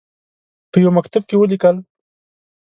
په یوه مکتوب کې ولیکل.